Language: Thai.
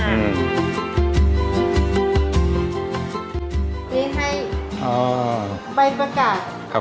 ขอบคุณครับ